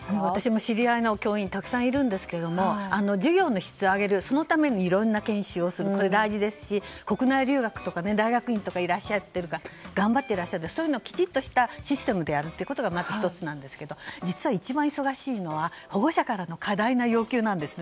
私も知り合いの教員たくさんいるんですが授業の質を上げるためにいろんな研修をするのも大事ですし国内留学とか大学院とかいらっしゃっているから頑張っていらっしゃるそういったきちっとしたシステムでやることがまず１つですが実は一番、忙しいのは保護者からの課題の要求なんです。